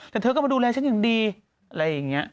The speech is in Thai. แต่เธอก็มาดูแลฉันอย่างดีอะไรอย่างนี้